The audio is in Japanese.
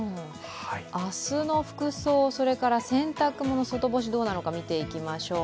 明日の服装、それから洗濯物、外干しどうなのか見ていきましょう。